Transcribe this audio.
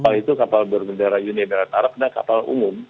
kapal itu kapal berbendera uni emirat arab adalah kapal umum